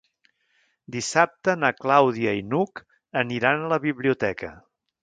Dissabte na Clàudia i n'Hug aniran a la biblioteca.